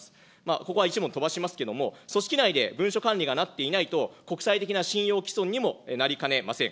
ここは１問飛ばしますけれども、組織内で文書管理がなっていないと国際的な信用毀損にもなりかねません。